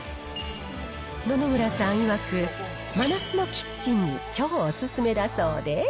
野々村さんいわく、真夏のキッチンに超お勧めだそうで。